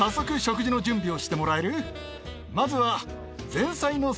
まずは。